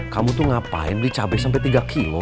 kamu tuh ngapain beli cabur sampe tiga kg